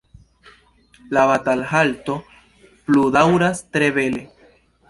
“La batalhalto pludaŭras tre bele.